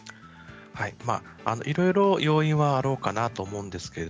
いろいろ要因はあろうかなと思います。